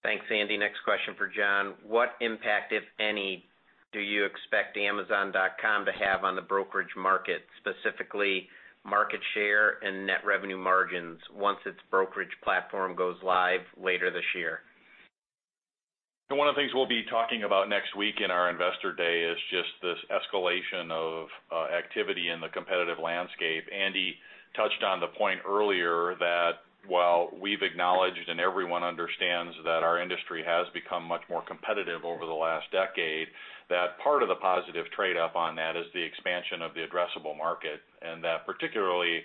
Thanks, Andy. Next question for John. What impact, if any, do you expect Amazon.com to have on the brokerage market, specifically market share and net revenue margins once its brokerage platform goes live later this year? One of the things we'll be talking about next week in our Investor Day is just this escalation of activity in the competitive landscape. Andy touched on the point earlier that while we've acknowledged, and everyone understands that our industry has become much more competitive over the last decade, that part of the positive trade-off on that is the expansion of the addressable market. That particularly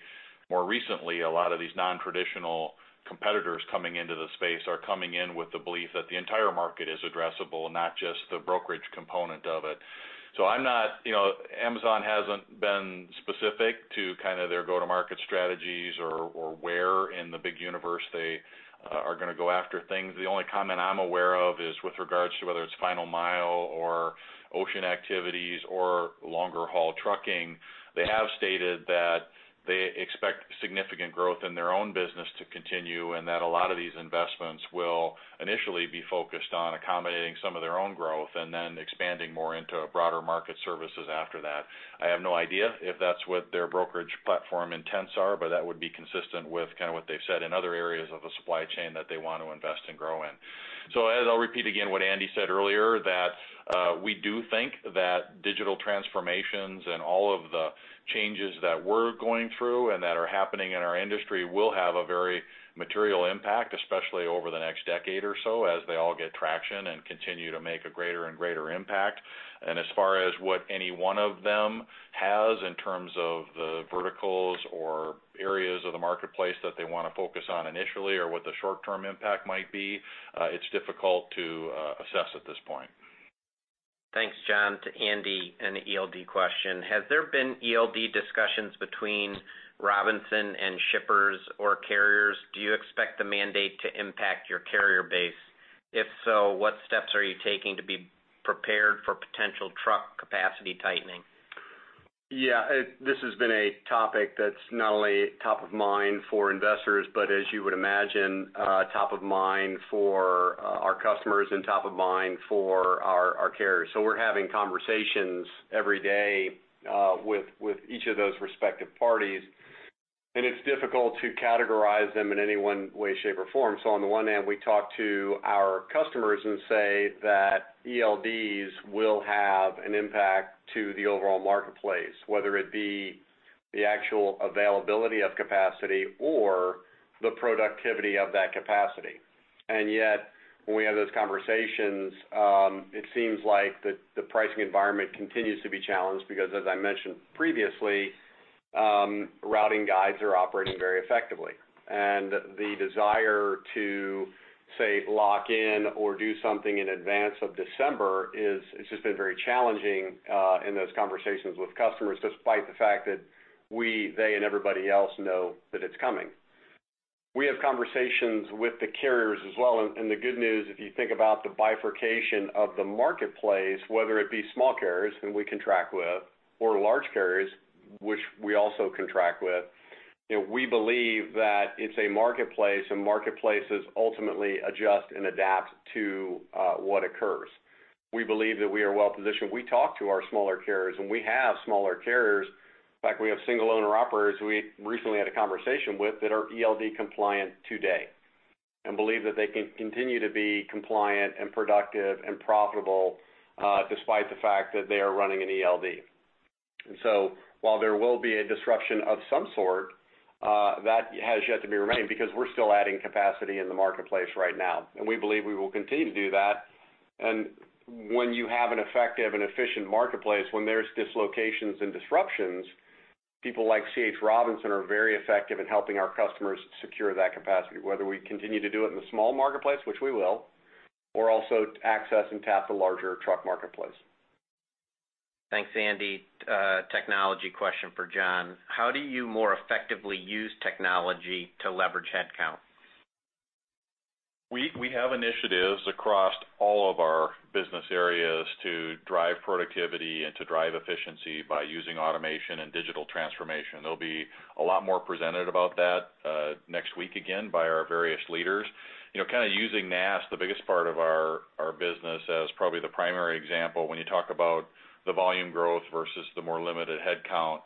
more recently, a lot of these non-traditional competitors coming into the space are coming in with the belief that the entire market is addressable, not just the brokerage component of it. Amazon hasn't been specific to kind of their go-to-market strategies or where in the big universe they are going to go after things. The only comment I'm aware of is with regards to whether it's final mile or ocean activities or longer haul trucking. They have stated that they expect significant growth in their own business to continue. That a lot of these investments will initially be focused on accommodating some of their own growth and then expanding more into broader market services after that. I have no idea if that's what their brokerage platform intents are. That would be consistent with kind of what they've said in other areas of the supply chain that they want to invest and grow in. As I'll repeat again what Andy said earlier, that we do think that digital transformations and all of the changes that we're going through and that are happening in our industry will have a very material impact, especially over the next decade or so, as they all get traction and continue to make a greater and greater impact. As far as what any one of them has in terms of the verticals or areas of the marketplace that they want to focus on initially or what the short-term impact might be, it's difficult to assess at this point. Thanks, John. To Andy, an ELD question. Has there been ELD discussions between Robinson and shippers or carriers? Do you expect the mandate to impact your carrier base? If so, what steps are you taking to be prepared for potential truck capacity tightening? Yeah. This has been a topic that's not only top of mind for investors, but as you would imagine, top of mind for our customers and top of mind for our carriers. We're having conversations every day with each of those respective parties, and it's difficult to categorize them in any one way, shape, or form. On the one hand, we talk to our customers and say that ELDs will have an impact to the overall marketplace, whether it be the actual availability of capacity or the productivity of that capacity. Yet, when we have those conversations, it seems like the pricing environment continues to be challenged because as I mentioned previously, routing guides are operating very effectively. The desire to, say, lock in or do something in advance of December is, it's just been very challenging in those conversations with customers, despite the fact that we, they, and everybody else know that it's coming. We have conversations with the carriers as well, and the good news, if you think about the bifurcation of the marketplace, whether it be small carriers, whom we contract with, or large carriers, which we also contract with, we believe that it's a marketplace, and marketplaces ultimately adjust and adapt to what occurs. We believe that we are well-positioned. We talk to our smaller carriers, and we have smaller carriers. In fact, we have single-owner operators we recently had a conversation with that are ELD compliant today and believe that they can continue to be compliant and productive and profitable, despite the fact that they are running an ELD. While there will be a disruption of some sort, that has yet to be remained because we're still adding capacity in the marketplace right now, and we believe we will continue to do that. When you have an effective and efficient marketplace, when there's dislocations and disruptions, people like C. H. Robinson are very effective at helping our customers secure that capacity, whether we continue to do it in the small marketplace, which we will, or also access and tap the larger truck marketplace. Thanks, Andy. Technology question for John. How do you more effectively use technology to leverage headcount? We have initiatives across all of our business areas to drive productivity and to drive efficiency by using automation and digital transformation. There'll be a lot more presented about that next week again by our various leaders. Kind of using NAST, the biggest part of our business, as probably the primary example when you talk about the volume growth versus the more limited headcount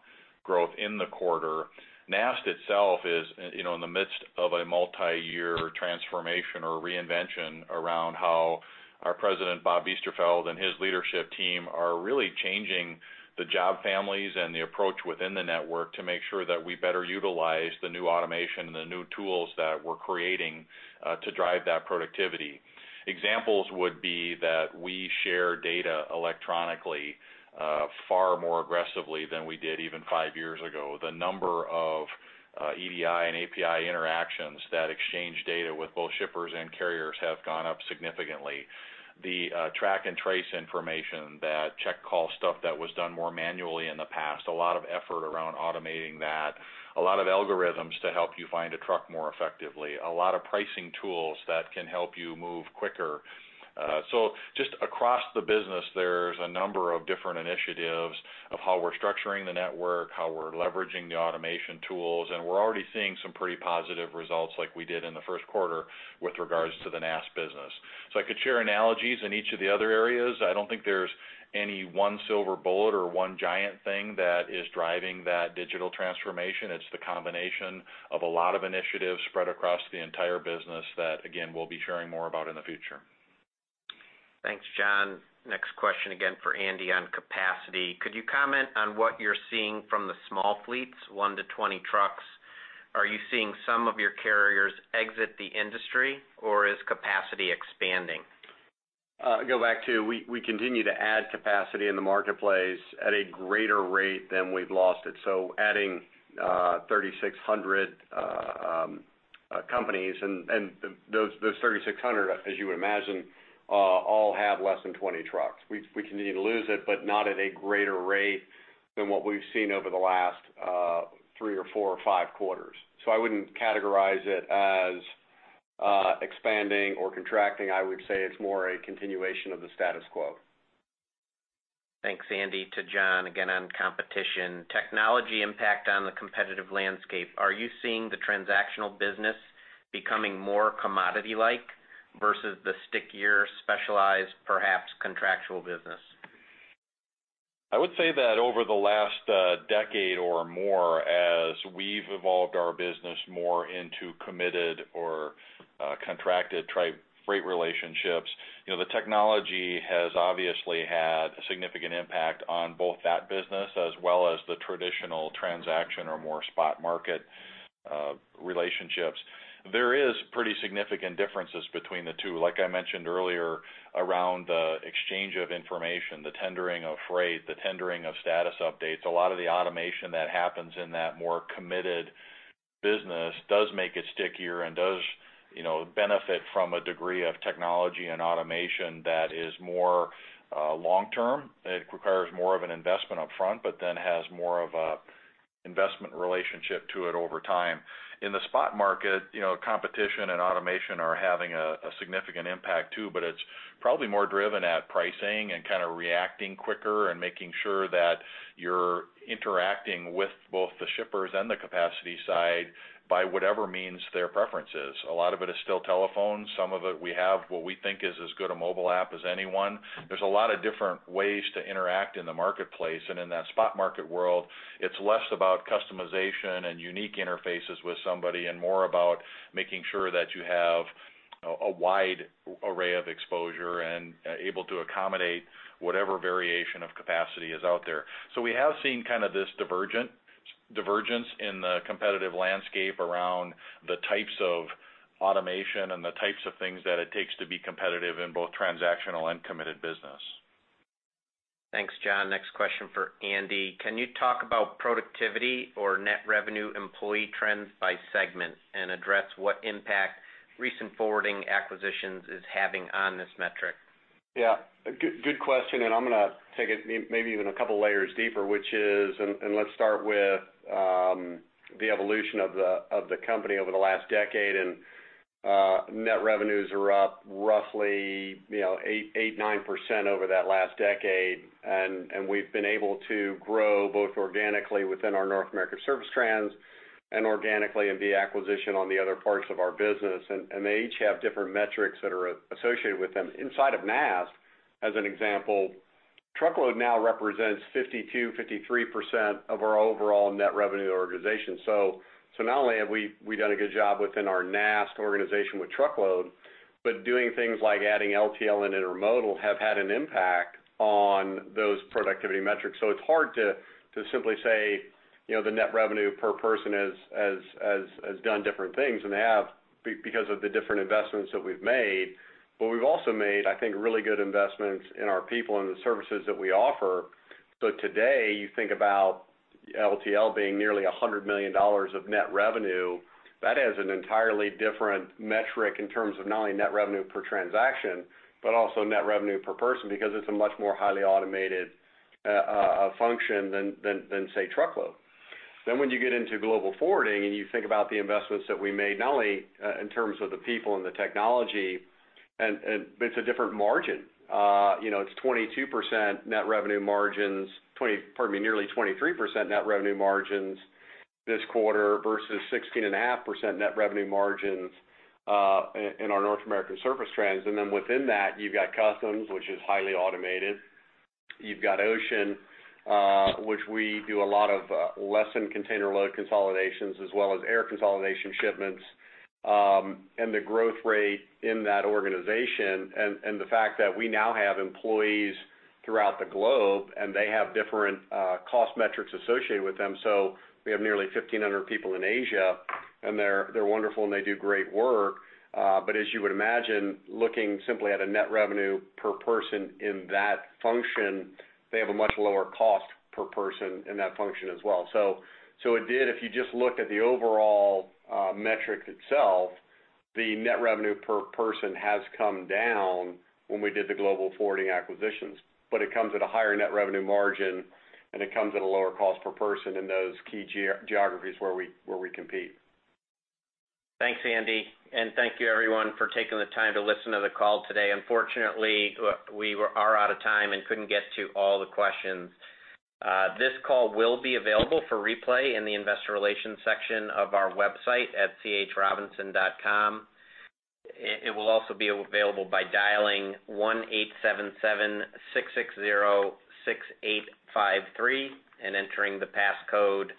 growth in the quarter. NAST itself is in the midst of a multi-year transformation or reinvention around how our President, Bob Biesterfeld, and his leadership team are really changing the job families and the approach within the network to make sure that we better utilize the new automation and the new tools that we're creating to drive that productivity. Examples would be that we share data electronically far more aggressively than we did even five years ago. The number of EDI and API interactions that exchange data with both shippers and carriers have gone up significantly. The track and trace information, that check call stuff that was done more manually in the past, a lot of effort around automating that. A lot of algorithms to help you find a truck more effectively, a lot of pricing tools that can help you move quicker. Just across the business, there's a number of different initiatives of how we're structuring the network, how we're leveraging the automation tools, and we're already seeing some pretty positive results like we did in the first quarter with regards to the NAST business. I could share analogies in each of the other areas. I don't think there's any one silver bullet or one giant thing that is driving that digital transformation. It's the combination of a lot of initiatives spread across the entire business that, again, we'll be sharing more about in the future. Thanks, John. Next question, again for Andy on capacity. Could you comment on what you're seeing from the small fleets, one to 20 trucks? Are you seeing some of your carriers exit the industry, or is capacity expanding? We continue to add capacity in the marketplace at a greater rate than we've lost it. Adding 3,600 companies, and those 3,600, as you would imagine, all have less than 20 trucks. Not at a greater rate than what we've seen over the last three or four or five quarters. I wouldn't categorize it as expanding or contracting. I would say it's more a continuation of the status quo. Thanks, Andy. To John, again on competition. Technology impact on the competitive landscape. Are you seeing the transactional business becoming more commodity-like versus the stickier, specialized, perhaps contractual business? I would say that over the last decade or more, as we've evolved our business more into committed or contracted freight relationships, the technology has obviously had a significant impact on both that business as well as the traditional transaction or more spot market relationships. There is pretty significant differences between the two. Like I mentioned earlier, around the exchange of information, the tendering of freight, the tendering of status updates, a lot of the automation that happens in that more committed Business does make it stickier and does benefit from a degree of technology and automation that is more long-term. It requires more of an investment up front, has more of an investment relationship to it over time. In the spot market, competition and automation are having a significant impact too, it's probably more driven at pricing and kind of reacting quicker and making sure that you're interacting with both the shippers and the capacity side by whatever means their preference is. A lot of it is still telephone. Some of it, we have what we think is as good a mobile app as anyone. There's a lot of different ways to interact in the marketplace. In that spot market world, it's less about customization and unique interfaces with somebody, more about making sure that you have a wide array of exposure, and able to accommodate whatever variation of capacity is out there. We have seen kind of this divergence in the competitive landscape around the types of automation and the types of things that it takes to be competitive in both transactional and committed business. Thanks, John. Next question for Andy. Can you talk about productivity or net revenue employee trends by segment, and address what impact recent forwarding acquisitions is having on this metric? Yeah. Good question, I'm going to take it maybe even a couple of layers deeper, which is, let's start with the evolution of the company over the last decade. Net revenues are up roughly 8%-9% over that last decade. We've been able to grow both organically within our North American Surface Transportation, and organically in the acquisition on the other parts of our business. They each have different metrics that are associated with them. Inside of NAST, as an example, truckload now represents 52%-53% of our overall net revenue organization. Not only have we done a good job within our NAST organization with truckload, but doing things like adding LTL and intermodal have had an impact on those productivity metrics. It's hard to simply say the net revenue per person has done different things, and they have because of the different investments that we've made. We've also made, I think, really good investments in our people and the services that we offer. Today, you think about LTL being nearly $100 million of net revenue. That has an entirely different metric in terms of not only net revenue per transaction, but also net revenue per person, because it's a much more highly automated function than, say, truckload. When you get into Global Forwarding and you think about the investments that we made, not only in terms of the people and the technology, it's a different margin. It's 22% net revenue margins, pardon me, nearly 23% net revenue margins this quarter versus 16.5% net revenue margins in our North American Surface Transportation. Within that, you've got customs, which is highly automated. You've got ocean, which we do a lot of less than container load consolidations as well as air consolidation shipments. The growth rate in that organization, and the fact that we now have employees throughout the globe, and they have different cost metrics associated with them. We have nearly 1,500 people in Asia, and they're wonderful and they do great work. As you would imagine, looking simply at a net revenue per person in that function, they have a much lower cost per person in that function as well. It did, if you just look at the overall metric itself, the net revenue per person has come down when we did the Global Forwarding acquisitions. It comes at a higher net revenue margin, and it comes at a lower cost per person in those key geographies where we compete. Thanks, Andy. Thank you, everyone, for taking the time to listen to the call today. Unfortunately, we are out of time and couldn't get to all the questions. This call will be available for replay in the investor relations section of our website at chrobinson.com. It will also be available by dialing 1-877-660-6853 and entering the passcode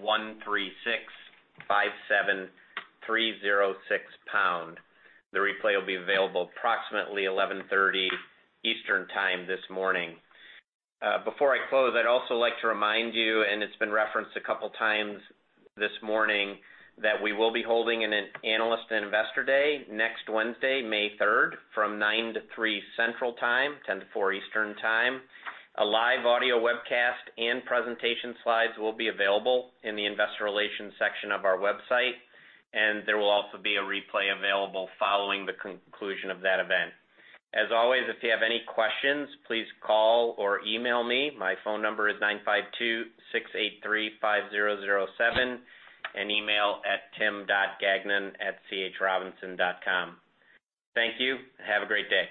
13657306#. The replay will be available approximately 11:30 A.M. Eastern Time this morning. Before I close, I'd also like to remind you, and it's been referenced a couple of times this morning, that we will be holding an analyst and investor day next Wednesday, May 3rd, from 9:00 A.M. to 3:00 P.M. Central Time, 10:00 A.M. to 4:00 P.M. Eastern Time. A live audio webcast and presentation slides will be available in the investor relations section of our website, and there will also be a replay available following the conclusion of that event. As always, if you have any questions, please call or email me. My phone number is 952-683-5007, and email at tim.gagnon@chrobinson.com. Thank you. Have a great day.